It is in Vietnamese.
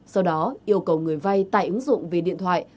sau đó yêu cầu người vay tại ứng dụng về điện thoại